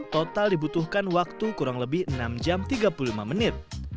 total dibutuhkan waktu kurang lebih enam jam tiga puluh lima menit